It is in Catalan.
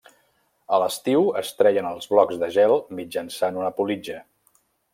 A l'estiu es treien els blocs de gel mitjançant una politja.